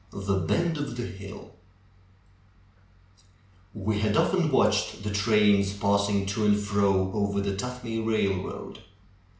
THE BEND OF THE HILL Wb had often watched the trains passing to and fro over the Tuthmay Eailroad.